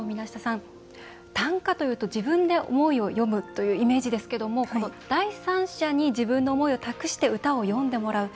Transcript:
短歌というと、自分で思いを詠むというイメージですけども第三者に自分の思いを託して歌を詠んでもらう。